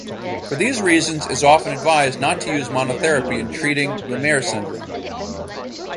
For these reasons is often advised not to use monotherapy in treating Lemierre's syndrome.